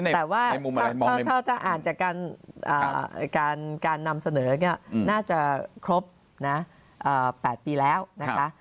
แต่ว่าถ้าอ่านจากการนำเสนอน่าจะครบนะ๘ปีแล้วนะคะ